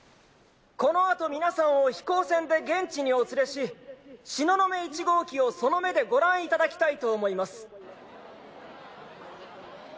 このあと皆さんを飛行船で現地にお連れし東雲一号基をその目でご覧いただきたいと思います。